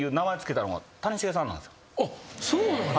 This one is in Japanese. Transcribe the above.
あっそうなんや。